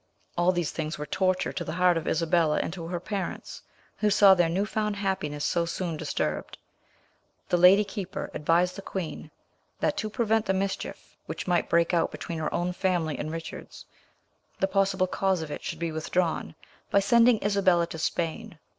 All these things were torture to the heart of Isabella and to her parents, who saw their new found happiness so soon disturbed. The lady keeper advised the queen that to prevent the mischief which might break out between her own family and Richard's, the possible cause of it should be withdrawn, by sending Isabella to Spain.